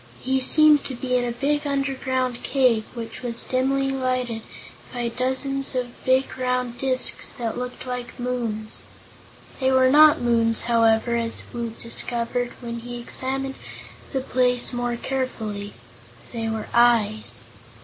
He seemed to be in a big underground cave, which was dimly lighted by dozens of big round discs that looked like moons. They were not moons, however, as Woot discovered when he had examined the place more carefully. They were eyes.